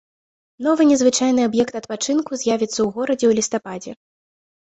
Новы незвычайны аб'ект адпачынку з'явіцца ў горадзе ў лістападзе.